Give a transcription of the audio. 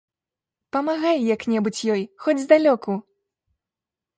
Памагай як-небудзь ёй, хоць здалёку.